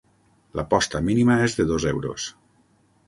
La posta mínima és de dos euros.